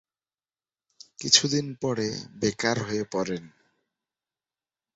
কিছুদিন পরে বেকার হয়ে পড়েন।